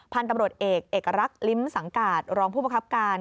พันธุ์ตำรวจเอกเอกลักษณ์ลิ้มสังกาศรองผู้ประคับการ